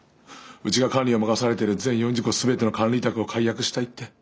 うちが管理を任されている全４０戸全ての管理委託を解約したいって。